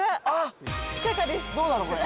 どうなのこれ？